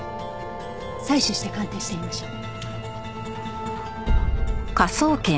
採取して鑑定してみましょう。